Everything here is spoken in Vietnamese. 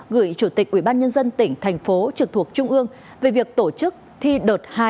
gửi chủ tịch ubnd tỉnh thành phố trực thuộc trung ương về việc tổ chức thi đợt hai